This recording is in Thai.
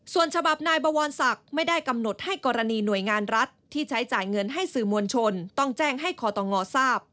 ส่วนฉบับนายบวรศักดิ์ไม่ได้กำหนดให้กรณีหน่วยงานรัฐที่ใช้จ่ายเงินให้สื่อมวลชนต้องแจ้งให้คอตงทราบ